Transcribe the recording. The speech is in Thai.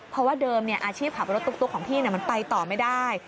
เพราะว่าเดิมอาชีพขับรถตุ๊กของพี่มันไปต่อไม่ได้